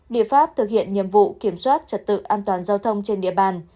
biện pháp thực hiện nhiệm vụ kiểm soát trật tự an toàn giao thông trên địa bàn